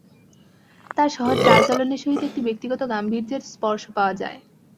তাঁর সহজ চালচলনের সহিত একটি ব্যক্তিগত গাম্ভীর্যের স্পর্শ পাওয়া যায়।